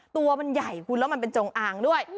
ตัวมันใหญ่คุณแล้วมันเป็นจงอางด้วย